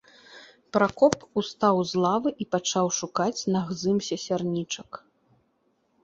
Пракоп устаў з лавы і пачаў шукаць на гзымсе сярнічак.